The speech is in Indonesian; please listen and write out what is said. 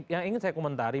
yang ingin saya komentari